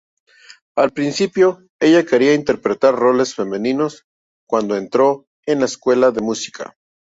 Al principio, ella quería interpretar roles femeninos cuando entró en la escuela de música.